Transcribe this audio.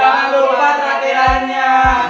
yang katanya mau menjunjung tinggi peraturan ipa